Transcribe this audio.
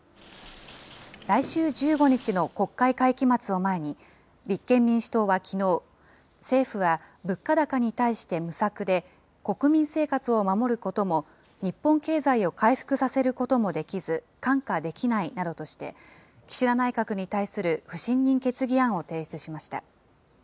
来週１５日の国会会期末を前に、立憲民主党はきのう、政府は物価高に対して無策で、国民生活を守ることも日本経済を回復させることもできず、看過できないなどとして、岸田内閣に対する不信任決議案を提出しました。